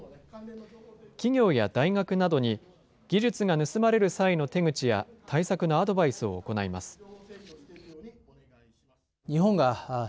企業や大学などに技術が盗まれる際の手口や、対策のアドバイスを行います。